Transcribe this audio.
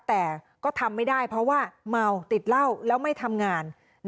แต่ก็ทำไม่ได้เพราะว่าเมาติดเหล้าแล้วไม่ทำงาน